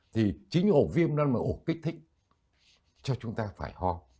thì chính ổ viêm đó là ổ kích thích cho chúng ta phải ho